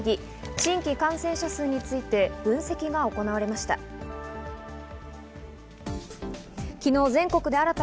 新規感染者数について分析が行われました。